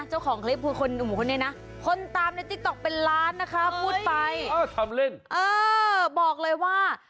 ตรงกันค่ะ